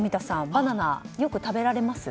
バナナよく食べられます？